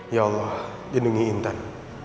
ya allah jendungi intan